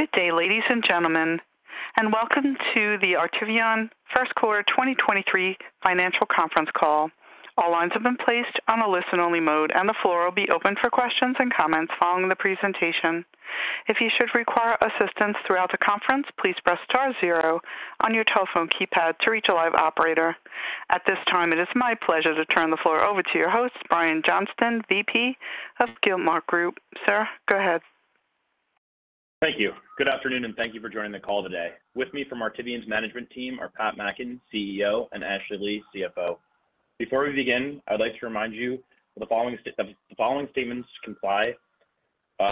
Good day, ladies and gentlemen, welcome to the Artivion Q1 2023 Financial Conference Call. All lines have been placed on a listen-only mode. The floor will be open for questions and comments following the presentation. If you should require assistance throughout the conference, please press star zero on your telephone keypad to reach a live operator. At this time, it is my pleasure to turn the floor over to your host, Brian Johnston, VP of Gilmartin Group. Sir, go ahead. Thank you. Good afternoon, thank you for joining the call today. With me from Artivion's management team are Pat Mackin, CEO, and Ashley Lee, CFO. Before we begin, I'd like to remind you the following statements comply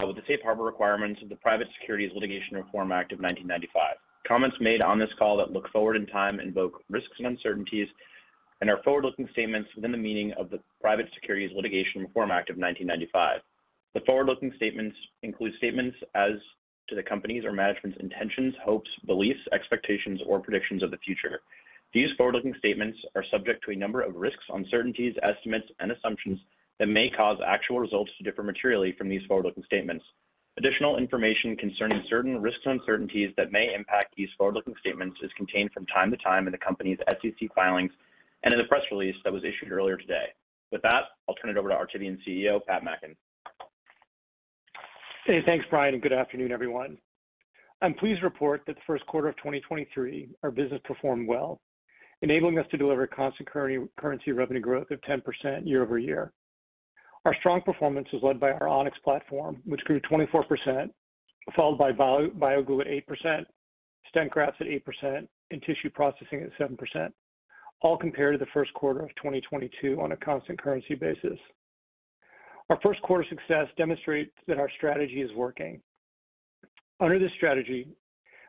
with the safe harbor requirements of the Private Securities Litigation Reform Act of 1995. Comments made on this call that look forward in time invoke risks and uncertainties and are forward-looking statements within the meaning of the Private Securities Litigation Reform Act of 1995. The forward-looking statements include statements as to the company's or management's intentions, hopes, beliefs, expectations or predictions of the future. These forward-looking statements are subject to a number of risks, uncertainties, estimates, and assumptions that may cause actual results to differ materially from these forward-looking statements. Additional information concerning certain risks and uncertainties that may impact these forward-looking statements is contained from time to time in the company's SEC filings and in the press release that was issued earlier today. With that, I'll turn it over to Artivion CEO, Pat Mackin. Hey, thanks, Brian, and good afternoon, everyone. I'm pleased to report that the Q1 of 2023, our business performed well, enabling us to deliver constant currency revenue growth of 10% year-over-year. Our strong performance was led by our On-X platform, which grew 24%, followed by BioGlue at 8%, stent grafts at 8% and tissue processing at 7%, all compared to the Q1 of 2022 on a constant currency basis. Our Q1 success demonstrates that our strategy is working. Under this strategy,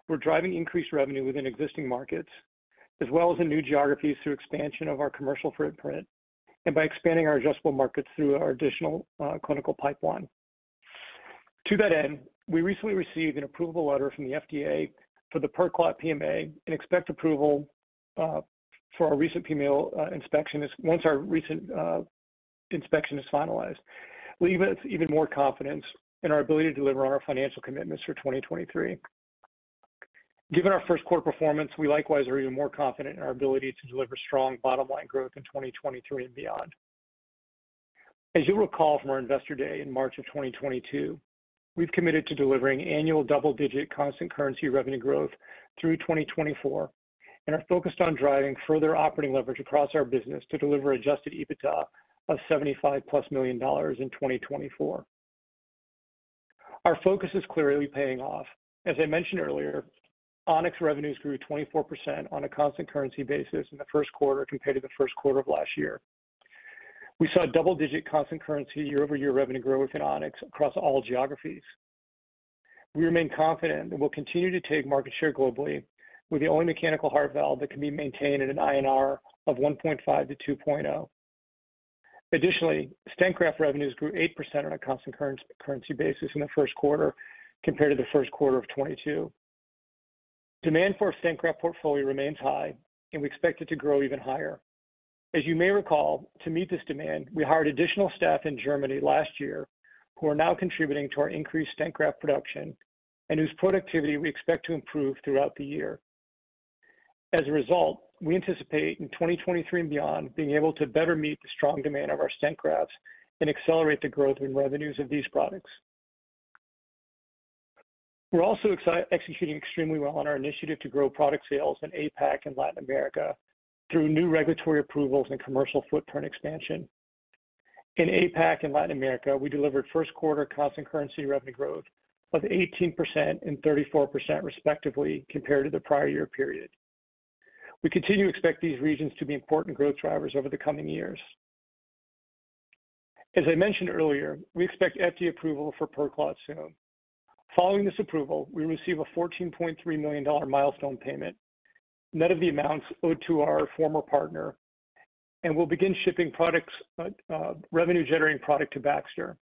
we're driving increased revenue within existing markets as well as in new geographies through expansion of our commercial footprint and by expanding our addressable markets through our additional clinical pipeline. To that end, we recently received an approval letter from the FDA for the PerClot PMA and expect approval for our recent PML inspection once our recent inspection is finalized, we'll even have even more confidence in our ability to deliver on our financial commitments for 2023. Given our Q1 performance, we likewise are even more confident in our ability to deliver strong bottom-line growth in 2023 and beyond. As you'll recall from our Investor Day in March of 2022, we've committed to delivering annual double-digit constant currency revenue growth through 2024 and are focused on driving further operating leverage across our business to deliver adjusted EBITDA of $75+ million in 2024. Our focus is clearly paying off. As I mentioned earlier, On-X revenues grew 24% on a constant currency basis in the Q1 compared to the Q1 of last year. We saw double-digit constant currency year-over-year revenue growth in On-X across all geographies. We remain confident and will continue to take market share globally. We're the only mechanical heart valve that can be maintained at an INR of 1.5 to 2.0. Additionally, stent graft revenues grew 8% on a constant currency basis in the Q1 compared to the Q1 of 2022. Demand for our stent graft portfolio remains high, and we expect it to grow even higher. As you may recall, to meet this demand, we hired additional staff in Germany last year who are now contributing to our increased stent graft production and whose productivity we expect to improve throughout the year. As a result, we anticipate in 2023 and beyond being able to better meet the strong demand of our stent grafts and accelerate the growth in revenues of these products. We're also executing extremely well on our initiative to grow product sales in APAC and Latin America through new regulatory approvals and commercial footprint expansion. In APAC and Latin America, we delivered Q1 constant currency revenue growth of 18% and 34% respectively compared to the prior year period. We continue to expect these regions to be important growth drivers over the coming years. As I mentioned earlier, we expect FDA approval for PerClot soon. Following this approval, we receive a $14.3 million milestone payment net of the amounts owed to our former partner, and we'll begin shipping products, revenue-generating product to Baxter.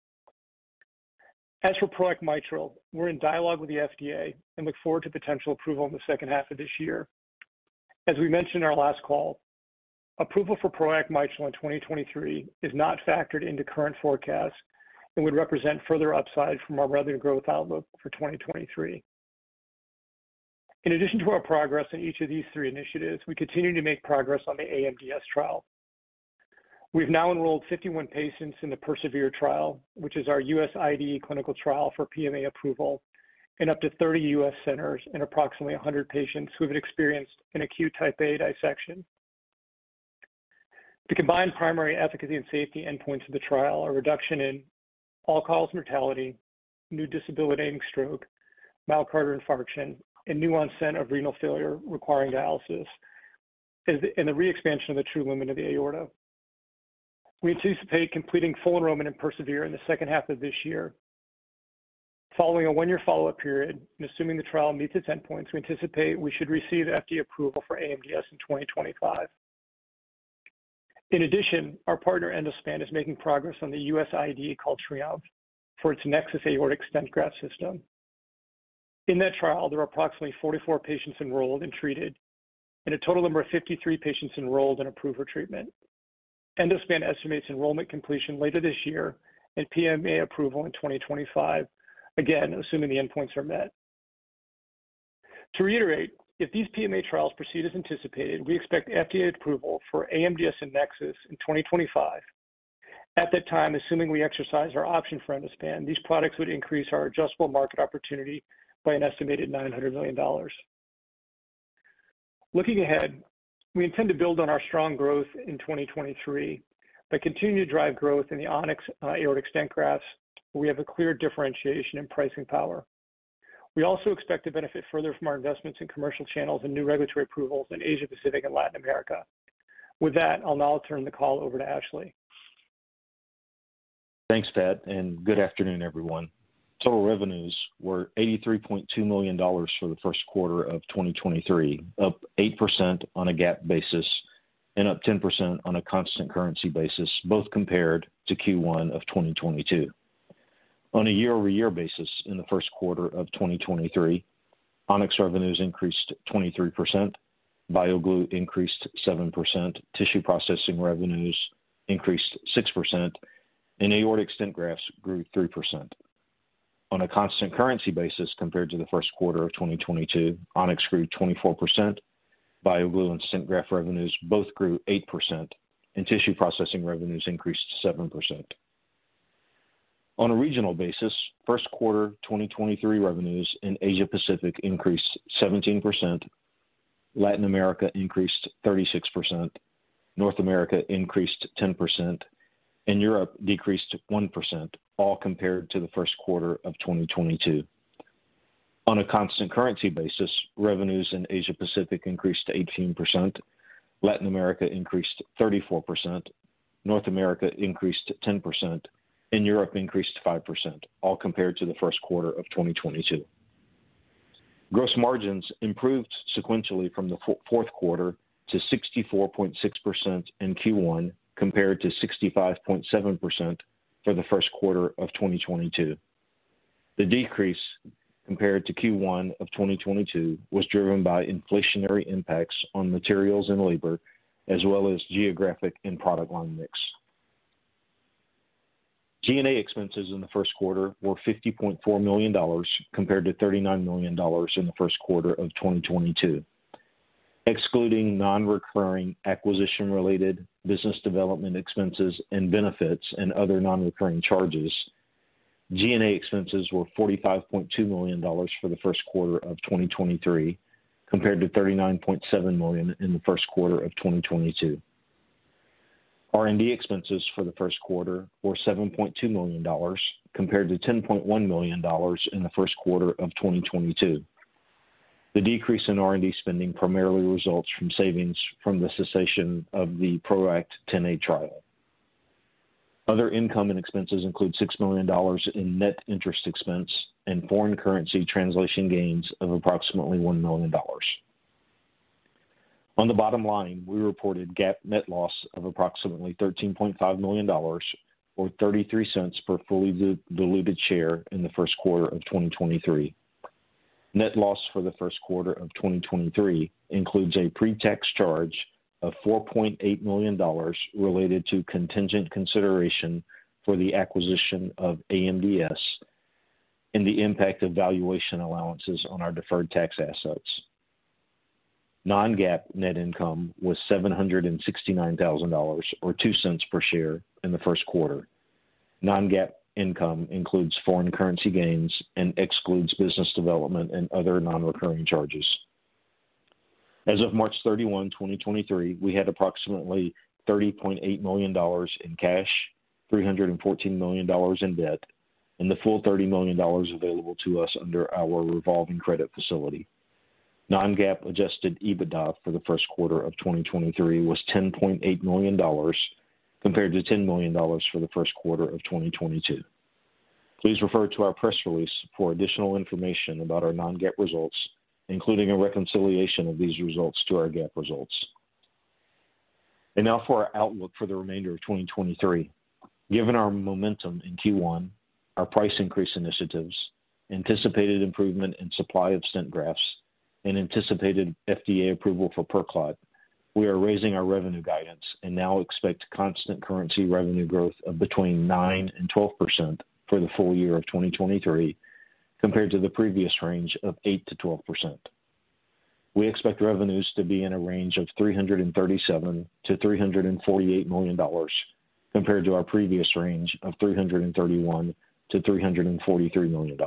For PROACT Mitral, we're in dialogue with the FDA and look forward to potential approval in the second half of this year. As we mentioned in our last call, approval for PROACT Mitral in 2023 is not factored into current forecasts and would represent further upside from our revenue growth outlook for 2023. In addition to our progress in each of these three initiatives, we continue to make progress on the AMDS trial. We've now enrolled 51 patients in the PERSEVERE trial, which is our U.S. IDE clinical trial for PMA approval in up to 30 U.S. centers and approximately 100 patients who have experienced an acute Type A dissection. The combined primary efficacy and safety endpoints of the trial are reduction in all-cause mortality, new disability and stroke, myocardial infarction, and new onset of renal failure requiring dialysis, and the re-expansion of the true lumen of the aorta. We anticipate completing full enrollment in PERSEVERE in the second half of this year. Following a one-year follow-up period and assuming the trial meets its endpoints, we anticipate we should receive FDA approval for AMDS in 2025. Our partner Endospan is making progress on the U.S. IDE called TRIOMPHE for its NEXUS Aortic Stent Graft System. In that trial, there are approximately 44 patients enrolled and treated and a total number of 53 patients enrolled in approved treatment. Endospan estimates enrollment completion later this year and PMA approval in 2025, again, assuming the endpoints are met. To reiterate, if these PMA trials proceed as anticipated, we expect FDA approval for AMDS and NEXUS in 2025. At that time, assuming we exercise our option for Endospan, these products would increase our adjustable market opportunity by an estimated $900 million. Looking ahead, we intend to build on our strong growth in 2023, but continue to drive growth in the On-X aortic stent grafts, where we have a clear differentiation in pricing power. We also expect to benefit further from our investments in commercial channels and new regulatory approvals in Asia Pacific and Latin America. With that, I'll now turn the call over to Ashley. Thanks, Pat. Good afternoon, everyone. Total revenues were $83.2 million for the Q1 of 2023, up 8% on a GAAP basis and up 10% on a constant currency basis, both compared to Q1 of 2022. On a year-over-year basis in the Q1 of 2023, On-X revenues increased 23%, BioGlue increased 7%, tissue processing revenues increased 6%, and aortic stent grafts grew 3%. On a constant currency basis compared to the Q1 of 2022, On-X grew 24%, BioGlue and stent graft revenues both grew 8%, and tissue processing revenues increased 7%. On a regional basis, Q1 2023 revenues in Asia Pacific increased 17%, Latin America increased 36%, North America increased 10%, and Europe decreased 1%, all compared to the Q1 of 2022. On a constant currency basis, revenues in Asia Pacific increased 18%, Latin America increased 34%, North America increased 10%, and Europe increased 5%, all compared to the Q1 of 2022. Gross margins improved sequentially from the Q4 to 64.6% in Q1 compared to 65.7% for the Q1 of 2022. The decrease compared to Q1 of 2022 was driven by inflationary impacts on materials and labor as well as geographic and product line mix. G&A expenses in the Q1 were $50.4 million compared to $39 million in the Q1 of 2022. Excluding non-recurring acquisition-related business development expenses and benefits and other non-recurring charges, G&A expenses were $45.2 million for the Q1 of 2023 compared to $39.7 million in the Q1 of 2022. R&D expenses for the Q1 were $7.2 million compared to $10.1 million in the Q1 of 2022. The decrease in R&D spending primarily results from savings from the cessation of the PROACT Xa trial. Other income and expenses include $6 million in net interest expense and foreign currency translation gains of approximately $1 million. On the bottom line, we reported GAAP net loss of approximately $13.5 million or $0.33 per fully diluted share in the Q1 of 2023. Net loss for the Q1 of 2023 includes a pre-tax charge of $4.8 million related to contingent consideration for the acquisition of AMDS and the impact of valuation allowances on our deferred tax assets. Non-GAAP net income was $769,000 or $0.02 per share in the Q1. Non-GAAP income includes foreign currency gains and excludes business development and other non-recurring charges. As of March 31, 2023, we had approximately $30.8 million in cash, $314 million in debt, and the full $30 million available to us under our revolving credit facility. Non-GAAP adjusted EBITDA for the Q1 of 2023 was $10.8 million compared to $10 million for the Q1 of 2022. Please refer to our press release for additional information about our non-GAAP results, including a reconciliation of these results to our GAAP results. Now for our outlook for the remainder of 2023. Given our momentum in Q1, our price increase initiatives, anticipated improvement in supply of stent grafts, and anticipated FDA approval for PerClot, we are raising our revenue guidance and now expect constant currency revenue growth of between 9% and 12% for the full year of 2023 compared to the previous range of 8%-12%. We expect revenues to be in a range of $337 million-$348 million compared to our previous range of $331 million-$343 million.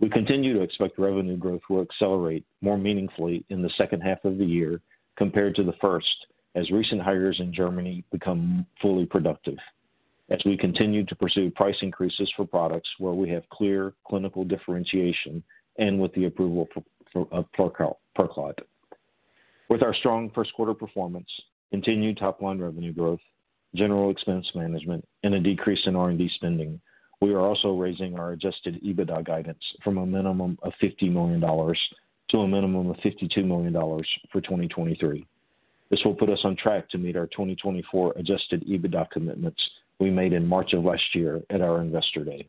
We continue to expect revenue growth will accelerate more meaningfully in the second half of the year compared to the first as recent hires in Germany become fully productive as we continue to pursue price increases for products where we have clear clinical differentiation and with the approval of PerClot. Our strong Q1 performance, continued top-line revenue growth, general expense management, and a decrease in R&D spending, we are also raising our adjusted EBITDA guidance from a minimum of $50 million to a minimum of $52 million for 2023. This will put us on track to meet our 2024 adjusted EBITDA commitments we made in March of last year at our Investor Day.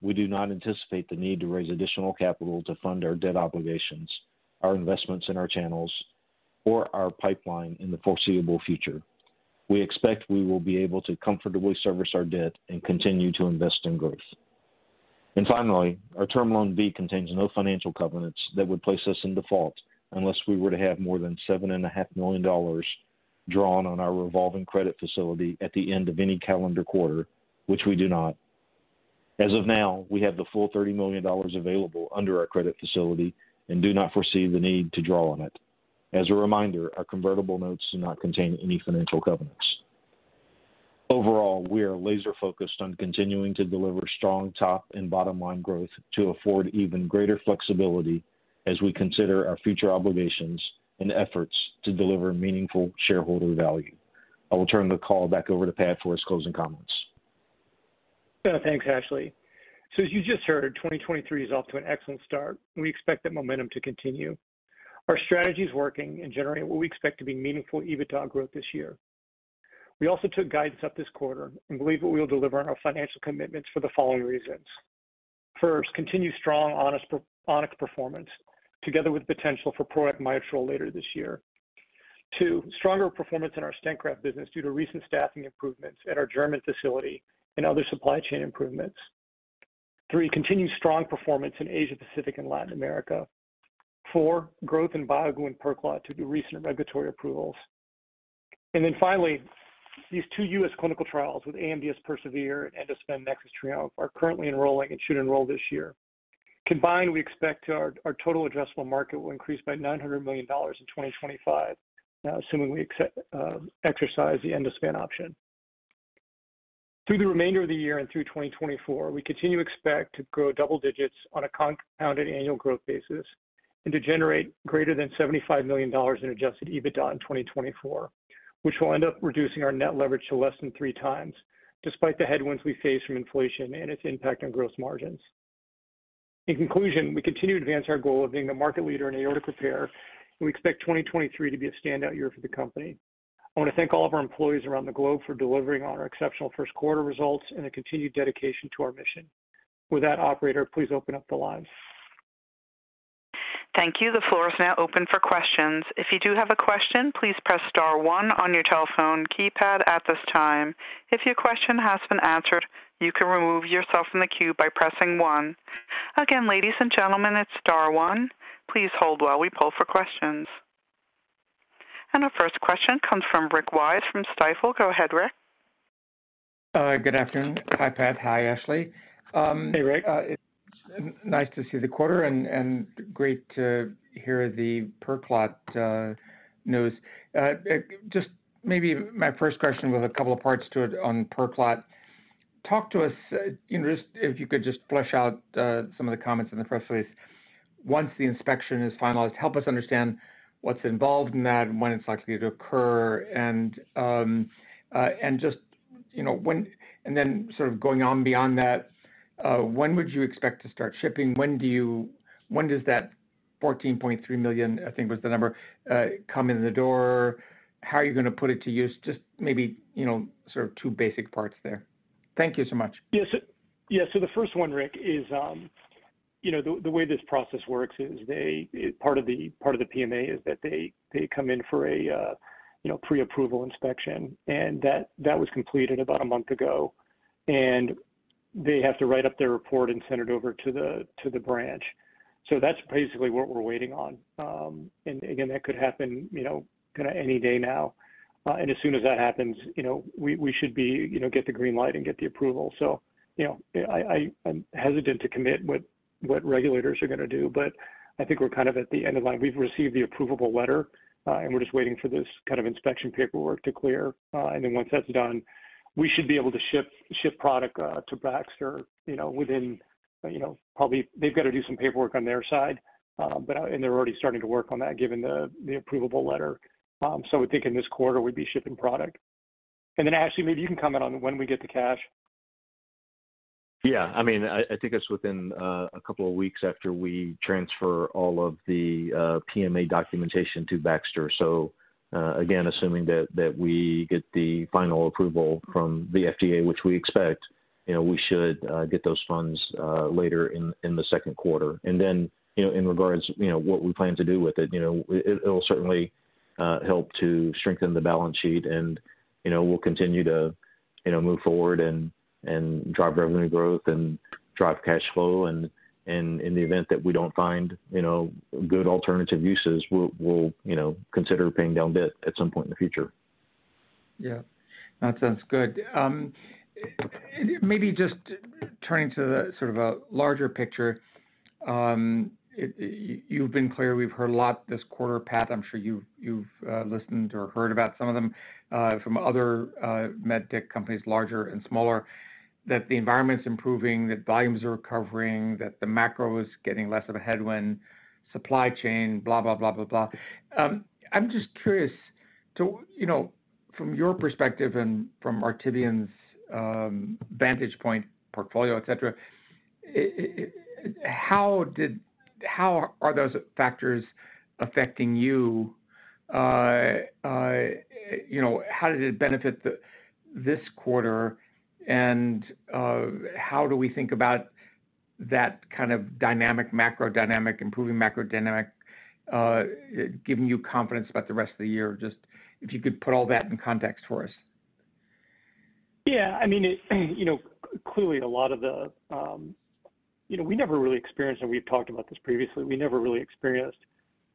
We do not anticipate the need to raise additional capital to fund our debt obligations, our investments in our channels or our pipeline in the foreseeable future. We expect we will be able to comfortably service our debt and continue to invest in growth. Finally, our Term Loan B contains no financial covenants that would place us in default unless we were to have more than seven and a half million dollars drawn on our revolving credit facility at the end of any calendar quarter, which we do not. As of now, we have the full $30 million available under our credit facility and do not foresee the need to draw on it. As a reminder, our convertible notes do not contain any financial covenants. Overall, we are laser-focused on continuing to deliver strong top and bottom-line growth to afford even greater flexibility as we consider our future obligations and efforts to deliver meaningful shareholder value. I will turn the call back over to Pat for his closing comments. Yeah. Thanks, Ashley. As you just heard, 2023 is off to an excellent start, and we expect that momentum to continue. Our strategy is working and generating what we expect to be meaningful EBITDA growth this year. We also took guidance up this quarter and believe that we will deliver on our financial commitments for the following reasons. First, continued strong On-X performance together with potential for PROACT Mitral later this year. Two, stronger performance in our stent graft business due to recent staffing improvements at our German facility and other supply chain improvements. Three, continued strong performance in Asia Pacific and Latin America. Four, growth in BioGlue and PerClot due to recent regulatory approvals. Finally, these two U.S. clinical trials with AMDS PERSEVERE and Endospan NEXUS TRIOMPHE are currently enrolling and should enroll this year. Combined, we expect our total addressable market will increase by $900 million in 2025, assuming we exercise the Endospan option. Through the remainder of the year and through 2024, we continue to expect to grow double digits on a compounded annual growth basis and to generate greater than $75 million in adjusted EBITDA in 2024, which will end up reducing our net leverage to less than three times despite the headwinds we face from inflation and its impact on gross margins. In conclusion, we continue to advance our goal of being the market leader in aortic repair, and we expect 2023 to be a standout year for the company. I want to thank all of our employees around the globe for delivering on our exceptional Q1 results and a continued dedication to our mission. With that, operator, please open up the lines. Thank you. The floor is now open for questions. If you do have a question, please press star one on your telephone keypad at this time. If your question has been answered, you can remove yourself from the queue by pressing one. Again, ladies and gentlemen, it's star one. Please hold while we pull for questions. Our first question comes from Rick Wise from Stifel. Go ahead, Rick. Good afternoon. Hi, Pat. Hi, Ashley. Hey, Rick, it's nice to see the quarter and great to hear the PerClot news. Just maybe my first question with a couple of parts to it on PerClot. Talk to us, you know, just if you could just flesh out some of the comments in the press release. Once the inspection is finalized, help us understand what's involved in that and when it's likely to occur. Just, you know, And then sort of going on beyond that, when would you expect to start shipping? When does that $14.3 million, I think was the number, come in the door? How are you gonna put it to use? Just maybe, you know, sort of two basic parts there. Thank you so much. Yes. Yeah. The first one, Rick, is, you know, the way this process works is they, part of the, part of the PMA is that they come in for a, you know, pre-approval inspection, and that was completed about one month ago. They have to write up their report and send it over to the, to the branch. That's basically what we're waiting on. Again, that could happen, you know, kind of any day now. As soon as that happens, you know, we should be, you know, get the green light and get the approval. You know, I'm hesitant to commit what regulators are going to do, but I think we're kind of at the end of line. We've received the approvable letter, and we're just waiting for this kind of inspection paperwork to clear. Once that's done, we should be able to ship product to Baxter, you know, within, you know, probably they've got to do some paperwork on their side. They're already starting to work on that given the approvable letter. We think in this quarter we'd be shipping product. Ashley, maybe you can comment on when we get the cash. Yeah. I mean, I think it's within a couple of weeks after we transfer all of the PMA documentation to Baxter. Again, assuming that we get the final approval from the FDA, which we expect, you know, we should get those funds later in the Q2. Then, you know, in regards, you know, what we plan to do with it, you know, it'll certainly help to strengthen the balance sheet. You know, we'll continue to, you know, move forward and drive revenue growth and drive cash flow. In the event that we don't find, you know, good alternative uses, we'll, you know, consider paying down debt at some point in the future. Yeah. That sounds good. Maybe just turning to the sort of a larger picture. You've been clear, we've heard a lot this quarter, Pat, I'm sure you've listened or heard about some of them, from other med tech companies, larger and smaller, that the environment's improving, that volumes are recovering, that the macro is getting less of a headwind, supply chain, blah, blah, blah. I'm just curious to, you know, from your perspective and from Artivion's vantage point portfolio, et cetera. How are those factors affecting you? You know, how did it benefit this quarter? How do we think about that kind of dynamic, macro dynamic, improving macro dynamic, giving you confidence about the rest of the year? Just if you could put all that in context for us. Yeah. I mean, it, you know, clearly a lot of the, we never really experienced, and we've talked about this previously, we never really experienced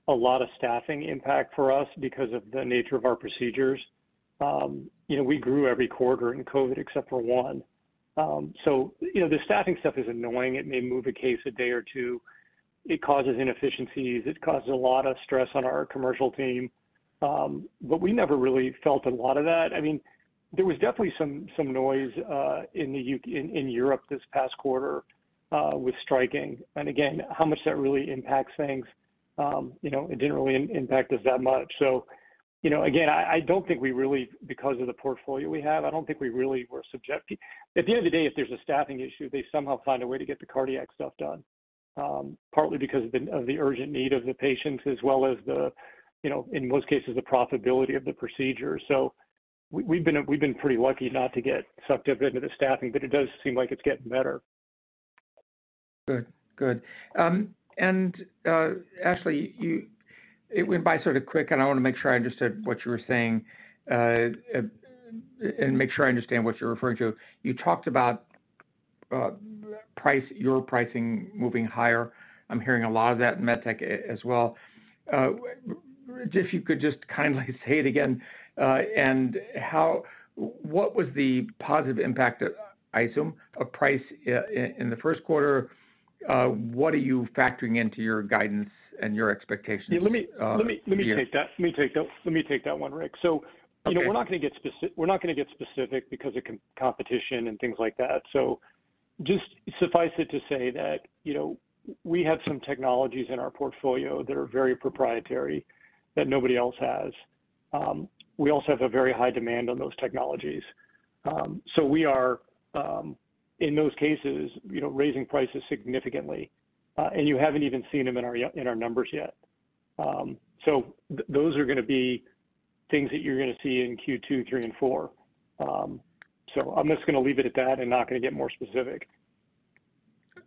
a lot of staffing impact for us because of the nature of our procedures. We grew every quarter in COVID except for one. You know, the staffing stuff is annoying. It may move a case a day or two. It causes inefficiencies. It causes a lot of stress on our commercial team. We never really felt a lot of that. I mean, there was definitely some noise in Europe this past quarter with striking. Again, how much that really impacts things, you know, it didn't really impact us that much. You know, again, I don't think we really because of the portfolio we have, I don't think we really were subject. At the end of the day, if there's a staffing issue, they somehow find a way to get the cardiac stuff done, partly because of the urgent need of the patients as well as the, you know, in most cases, the profitability of the procedure. We've been pretty lucky not to get sucked up into the staffing, but it does seem like it's getting better. Good. Good. Ashley, it went by sort of quick, and I wanna make sure I understood what you were saying, and make sure I understand what you're referring to. You talked about price, your pricing moving higher. I'm hearing a lot of that in med tech as well. If you could just kindly say it again. What was the positive impact, I assume, of price in the Q1? What are you factoring into your guidance and your expectations? Let me- Yeah. Let me take that. Let me take that one, Rick. Okay. You know, we're not gonna get specific because of competition and things like that. Just suffice it to say that, you know, we have some technologies in our portfolio that are very proprietary that nobody else has. We also have a very high demand on those technologies. We are in those cases, you know, raising prices significantly, and you haven't even seen them in our numbers yet. Those are gonna be things that you're gonna see in Q2, Q3, and Q4. I'm just gonna leave it at that and not gonna get more specific.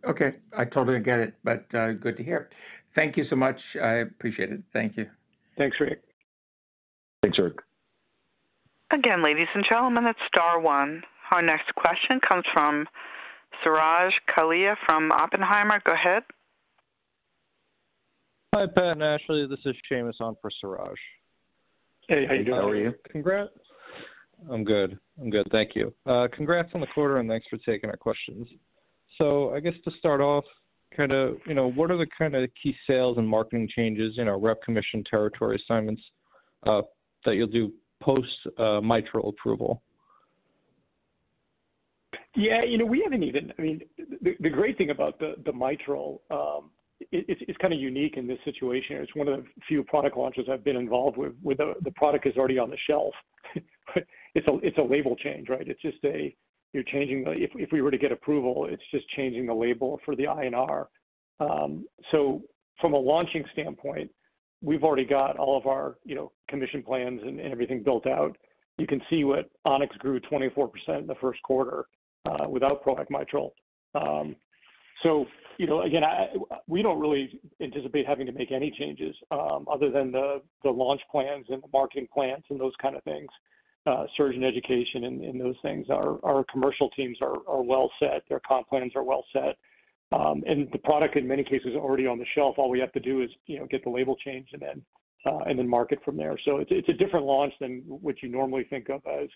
Okay. I totally get it, but, good to hear. Thank you so much. I appreciate it. Thank you. Thanks, Rick. Thanks, Rick. Again, ladies and gentlemen, it's star one. Our next question comes from Suraj Kalia from Oppenheimer. Go ahead. Hi, Pat and Ashley. This is Seamus on for Suraj. Hey. How you doing? How are you? Congrats. I'm good. I'm good. Thank you. Congrats on the quarter, and thanks for taking our questions. I guess to start off, kinda, you know, what are the kinda key sales and marketing changes in our rep commission territory assignments, that you'll do post, mitral approval? Yeah. You know, we haven't even, I mean, the great thing about the mitral, it's kind of unique in this situation. It's one of the few product launches I've been involved with where the product is already on the shelf. It's a label change, right? If we were to get approval, it's just changing the label for the INR. From a launching standpoint, we've already got all of our, you know, commission plans and everything built out. You can see what On-X grew 24% in the Q1 without PROACT Mitral. You know, again, we don't really anticipate having to make any changes other than the launch plans and the marketing plans and those kind of things, surgeon education and those things. Our commercial teams are well set. Their comp plans are well set. The product in many cases is already on the shelf. All we have to do is, you know, get the label changed and then market from there. It's a different launch than what you normally think of as,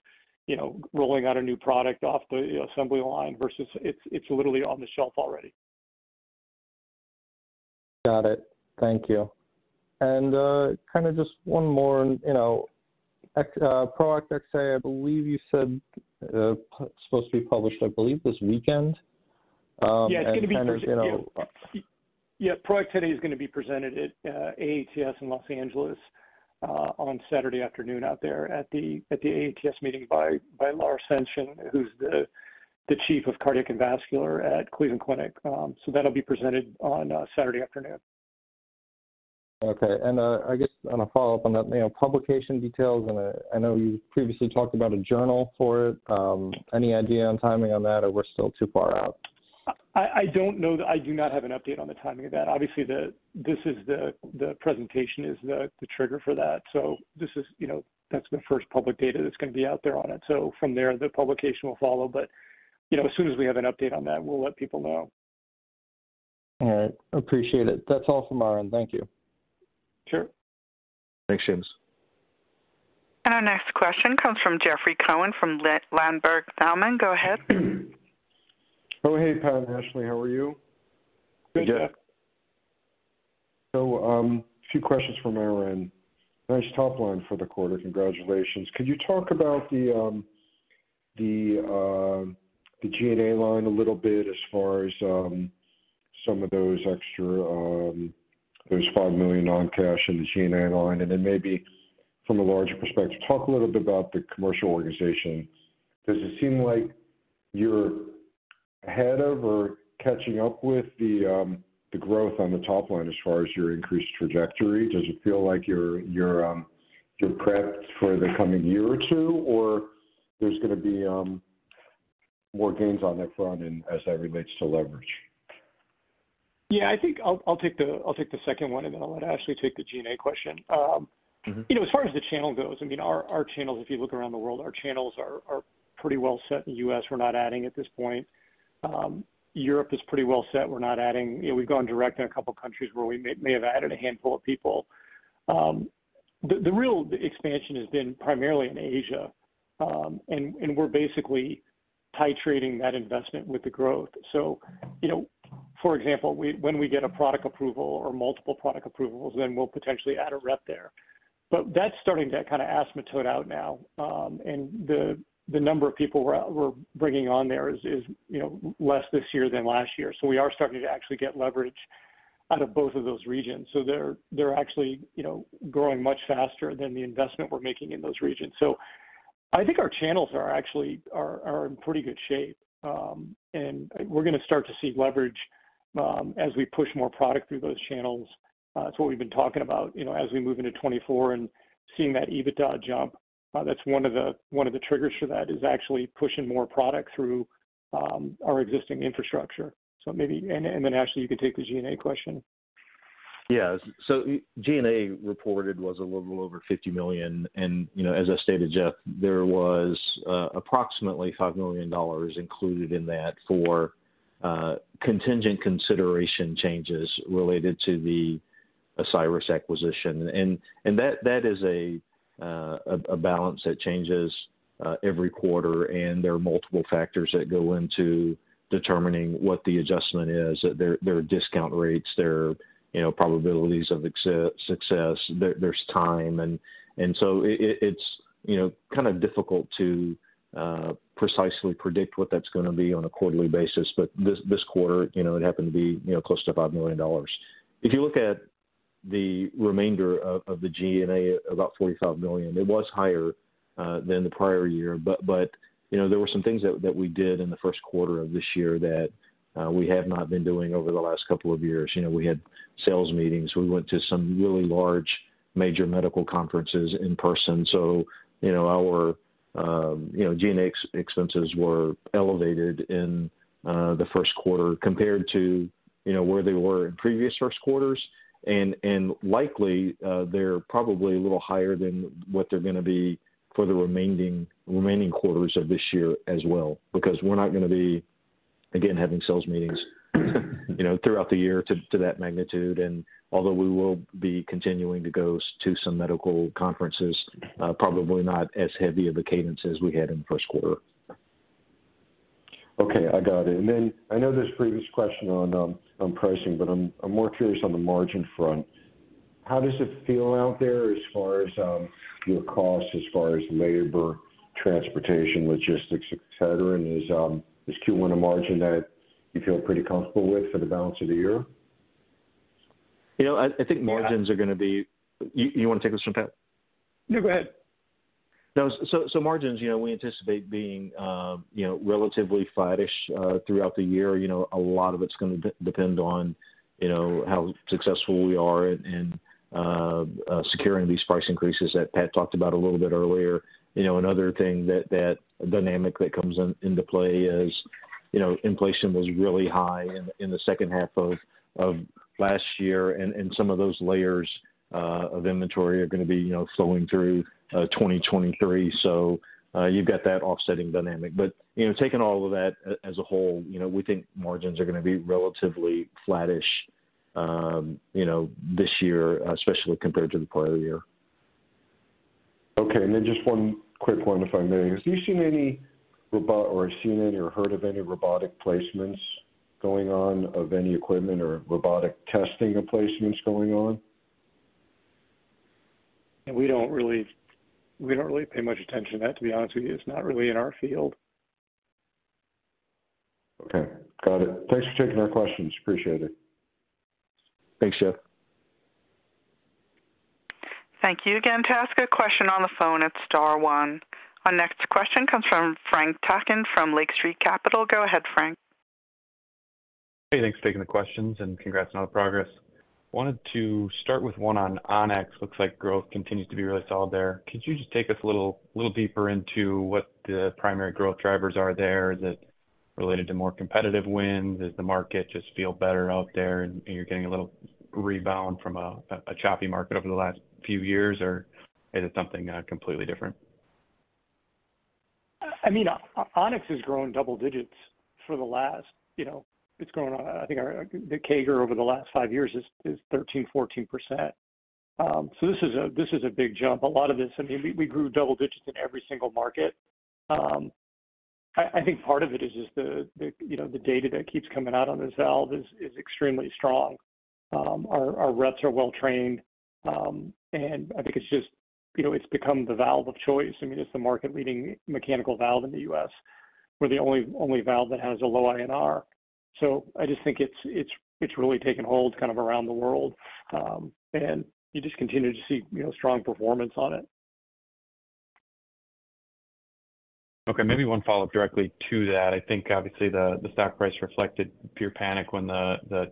you know, rolling out a new product off the assembly line versus it's literally on the shelf already. Got it. Thank you. Kinda just one more. You know, PROACT Xa, I believe you said, supposed to be published, I believe, this weekend. Yeah, it's gonna be presented. You know- Product today is gonna be presented at AATS in Los Angeles on Saturday afternoon out there at the AATS meeting by Lars Svensson, who's the Chief of Cardiac and Vascular at Cleveland Clinic. That'll be presented on Saturday afternoon. Okay. I guess on a follow-up on that, you know, publication details, and I know you previously talked about a journal for it. Any idea on timing on that, or we're still too far out? I do not have an update on the timing of that. Obviously, this is the presentation is the trigger for that. This is, you know, that's the first public data that's gonna be out there on it. From there, the publication will follow. You know, as soon as we have an update on that, we'll let people know. All right. Appreciate it. That's all from our end. Thank you. Sure. Thanks, Seamus. Our next question comes from Jeffrey Cohen from Ladenburg Thalmann. Go ahead. Oh, hey, Pat and Ashley. How are you? Good. Yeah. A few questions from our end. Nice top line for the quarter. Congratulations. Could you talk about the G&A line a little bit as far as some of those extra $5 million non-cash in the G&A line? Maybe from a larger perspective, talk a little bit about the commercial organization. Does it seem like you're ahead of or catching up with the growth on the top line as far as your increased trajectory? Does it feel like you're prepped for the coming year or two, or there's gonna be more gains on that front and as that relates to leverage? Yeah, I think I'll take the second one. I'll let Ashley take the G&A question. Mm-hmm. You know, as far as the channel goes, I mean, our channels, if you look around the world, our channels are pretty well set. In the U.S., we're not adding at this point. Europe is pretty well set. We're not adding. You know, we've gone direct in a couple countries where we may have added a handful of people. The real expansion has been primarily in Asia, and we're basically titrating that investment with the growth. You know, for example, when we get a product approval or multiple product approvals, then we'll potentially add a rep there. That's starting to kind of asymptote out now, and the number of people we're bringing on there is, you know, less this year than last year. We are starting to actually get leverage out of both of those regions. They're actually, you know, growing much faster than the investment we're making in those regions. I think our channels are in pretty good shape, and we're going to start to see leverage as we push more product through those channels. It's what we've been talking about, you know, as we move into 2024 and seeing that EBITDA jump, that's one of the triggers for that, is actually pushing more product through our existing infrastructure. Then, Ashley, you can take the G&A question. Yeah. G&A reported was a little over $50 million, and you know, as I stated, Jeff, there was approximately $5 million included in that for contingent consideration changes related to the Osiris Acquisition. That is a balance that changes every quarter, and there are multiple factors that go into determining what the adjustment is. There are discount rates. There are, you know, probabilities of success. There's time. So it's, you know, kind of difficult to precisely predict what that's gonna be on a quarterly basis. This quarter, you know, it happened to be, you know, close to $5 million. If you look at the remainder of the G&A, about $45 million, it was higher than the prior year. You know, there were some things that we did in the Q1 of this year that we have not been doing over the last couple of years. You know, we had sales meetings. We went to some really large major medical conferences in person, so you know, our, you know, G&X expenses were elevated in the Q1 compared to, you know, where they were in previous Q1s. Likely, they're probably a little higher than what they're gonna be for the remaining quarters of this year as well, because we're not gonna be, again, having sales meetings, you know, throughout the year to that magnitude. Although we will be continuing to go to some medical conferences, probably not as heavy of a cadence as we had in the Q1. Okay, I got it. I know there's a previous question on pricing, but I'm more curious on the margin front. How does it feel out there as far as your costs as far as labor, transportation, logistics, et cetera? Is Q1 a margin that you feel pretty comfortable with for the balance of the year? You know, I think margins are gonna be... You wanna take this one, Pat? No, go ahead. No. So margins, you know, we anticipate being, you know, relatively flattish throughout the year. You know, a lot of it's gonna depend on, you know, how successful we are in securing these price increases that Pat talked about a little bit earlier. You know, another thing that dynamic that comes into play is, you know, inflation was really high in the second half of last year, and some of those layers of inventory are gonna be, you know, flowing through 2023. You've got that offsetting dynamic. You know, taking all of that as a whole, you know, we think margins are gonna be relatively flattish, you know, this year, especially compared to the prior year. Okay. Just one quick one if I may. Have you seen any or heard of any robotic placements going on of any equipment or robotic testing of placements going on? We don't really pay much attention to that, to be honest with you. It's not really in our field. Okay. Got it. Thanks for taking our questions. Appreciate it. Thanks, Jeff. Thank you again. To ask a question on the phone, it's star one. Our next question comes from Frank Takkinen from Lake Street Capital. Go ahead, Frank. Thanks for taking the questions. Congrats on all the progress. Wanted to start with one on On-X. Looks like growth continues to be really solid there. Could you just take us a little deeper into what the primary growth drivers are there? Is it related to more competitive wins? Does the market just feel better out there and you're getting a little rebound from a choppy market over the last few years, or is it something completely different? I mean, On-X has grown double digits for the last. You know, it's grown, I think our the CAGR over the last five years is 13%, 14%. This is a big jump. A lot of it's. I mean, we grew double digits in every single market. I think part of it is just the, you know, the data that keeps coming out on this valve is extremely strong. Our reps are well-trained. I think it's just, you know, it's become the valve of choice. I mean, it's the market leading mechanical valve in the U.S. We're the only valve that has a low INR. I just think it's really taken hold kind of around the world, and you just continue to see, you know, strong performance on it. Okay. Maybe one follow-up directly to that. I think obviously the stock price reflected pure panic when the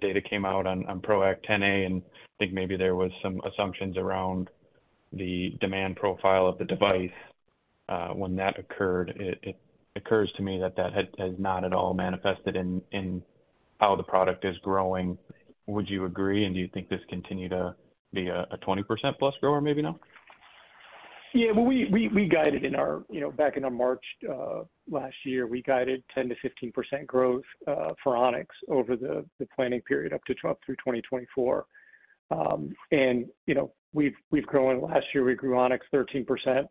data came out on PROACT Xa. I think maybe there was some assumptions around the demand profile of the device when that occurred. It occurs to me that that has not at all manifested in how the product is growing. Would you agree? Do you think this continue to be a 20% plus grower maybe now? Yeah. Well, we guided in our... You know, back in our March, last year, we guided 10%-15% growth for On-X over the planning period up to through 2024. You know, we've grown. Last year, we grew On-X 13%.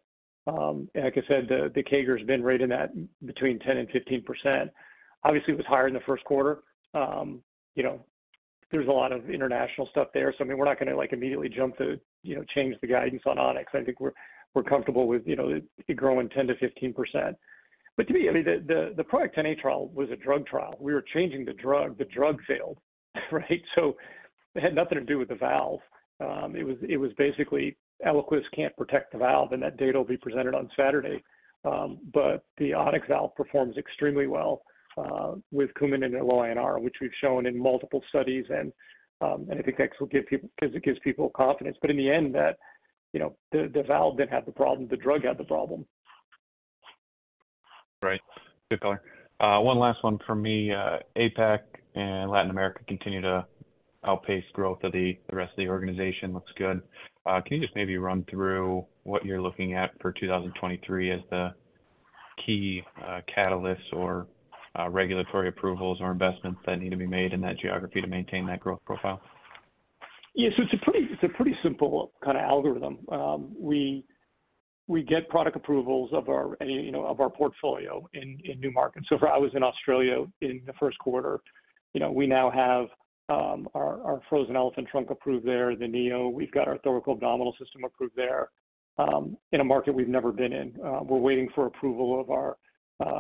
Like I said, the CAGR has been right in that between 10% and 15%. Obviously, it was higher in the Q1. You know, there's a lot of international stuff there, I mean, we're not gonna like immediately jump to, you know, change the guidance on On-X. I think we're comfortable with, you know, it growing 10%-15%. To me, I mean, the PROACT Xa trial was a drug trial. We were changing the drug. The drug failed, right? It had nothing to do with the valve. It was basically Eliquis can't protect the valve, and that data will be presented on Saturday. The On-X valve performs extremely well, with Coumadin and low INR, which we've shown in multiple studies. I think that's will give people 'cause it gives people confidence. In the end that, you know, the valve didn't have the problem, the drug had the problem. Right. Good color. One last one for me. APAC and Latin America continue to outpace growth of the rest of the organization. Looks good. Can you just maybe run through what you're looking at for 2023 as the key catalysts or regulatory approvals or investments that need to be made in that geography to maintain that growth profile? Yeah. It's a pretty simple kind of algorithm. We get product approvals of our, you know, of our portfolio in new markets. I was in Australia in the Q1. You know, we now have our frozen elephant trunk approved there, the Neo. We've got our thoracoabdominal system approved there in a market we've never been in. We're waiting for approval of our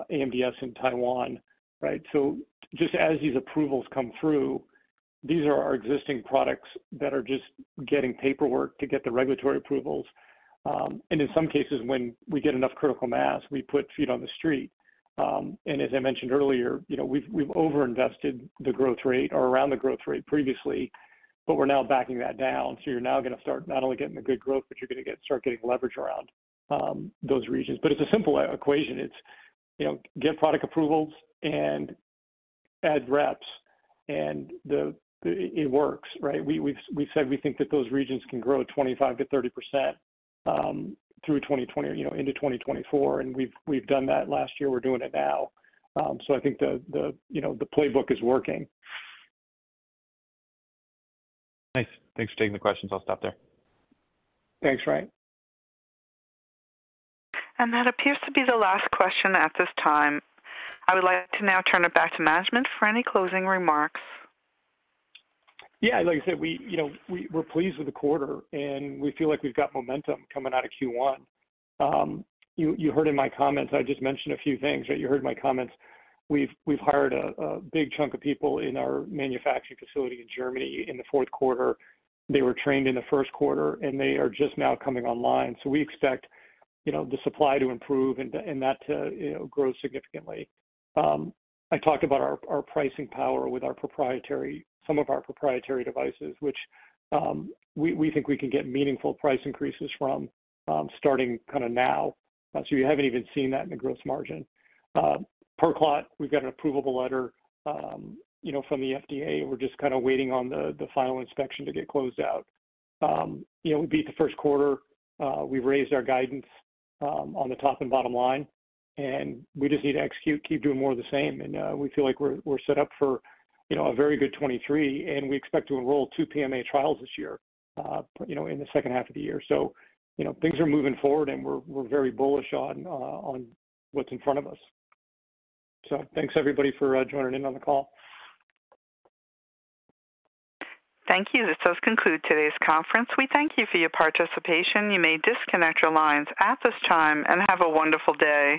AMDS in Taiwan, right? Just as these approvals come through, these are our existing products that are just getting paperwork to get the regulatory approvals. In some cases, when we get enough critical mass, we put feet on the street. As I mentioned earlier, you know, we've overinvested the growth rate or around the growth rate previously, but we're now backing that down. You're now gonna start not only getting the good growth, but you're gonna start getting leverage around those regions. It's a simple equation. It's, you know, get product approvals and add reps and it works, right? We've said we think that those regions can grow 25%-30% through 2020, you know, into 2024, and we've done that last year. We're doing it now. I think the, you know, the playbook is working. Nice. Thanks for taking the questions. I'll stop there. Thanks, Ryan. That appears to be the last question at this time. I would like to now turn it back to management for any closing remarks. Yeah. Like I said, we, you know, we're pleased with the quarter, and we feel like we've got momentum coming out of Q1. You heard in my comments, I just mentioned a few things, but you heard in my comments we've hired a big chunk of people in our manufacturing facility in Germany in the fourth quarter. They were trained in the Q1, and they are just now coming online. We expect, you know, the supply to improve and that to, you know, grow significantly. I talked about our pricing power with our proprietary devices, which we think we can get meaningful price increases from starting kinda now. You haven't even seen that in the gross margin. PerClot, we've got an approvable letter, you know, from the FDA. We're just kinda waiting on the final inspection to get closed out. You know, we beat the Q1. We've raised our guidance on the top and bottom line, and we just need to execute, keep doing more of the same. We feel like we're set up for, you know, a very good 2023, and we expect to enroll two PMA trials this year, you know, in the second half of the year. You know, things are moving forward, and we're very bullish on what's in front of us. Thanks everybody for joining in on the call. Thank you. This does conclude today's conference. We thank you for your participation. You may disconnect your lines at this time, and have a wonderful day.